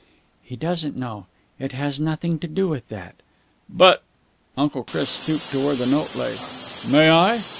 "He doesn't know. It has nothing to do with that." "But...." Uncle Chris stooped to where the note lay. "May I...?"